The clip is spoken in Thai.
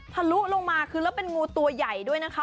ลุลงมาคือแล้วเป็นงูตัวใหญ่ด้วยนะคะ